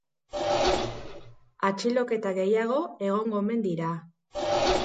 Atxiloketa gehiago egongo omen dira.